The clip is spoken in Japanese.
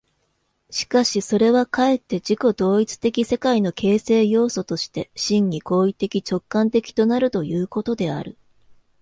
しかしそれはかえって自己同一的世界の形成要素として、真に行為的直観的となるということである。